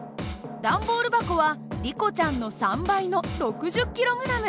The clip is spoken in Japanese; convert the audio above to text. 段ボール箱はリコちゃんの３倍の６０ｋｇ。